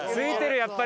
やっぱり。